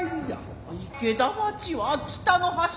マア池田町は北の端。